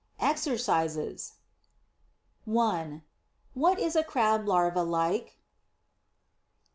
EXERCISES 1. What is a Crab larva like?